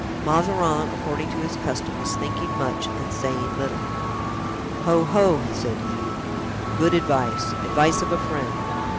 Mazarin, according to his custom, was thinking much and saying little. "Ho! ho!" said he, "good advice, advice of a friend.